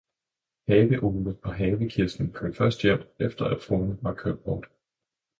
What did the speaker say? Have-Ole og Have-Kirsten kom først hjem efter at fruen var kørt bort.